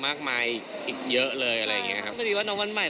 วันใหม่เขาหมายความยังเกลียด